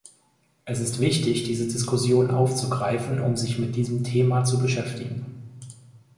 Es ist wichtig, diese Diskussion aufzugreifen, um sich mit diesem Thema zu beschäftigen.